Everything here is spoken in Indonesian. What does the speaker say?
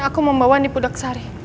aku membawani pudaksari